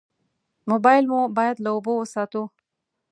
موبایل مو باید له اوبو وساتو.